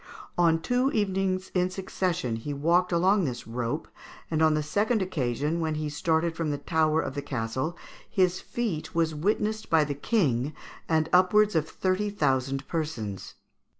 On two evenings in succession he walked along this rope, and on the second occasion when he started from the tower of the castle his feat was witnessed by the king and upwards of thirty thousand persons.